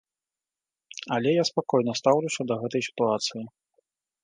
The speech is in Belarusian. Але я спакойна стаўлюся да гэтай сітуацыі.